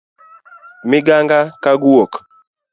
Miganga ka guok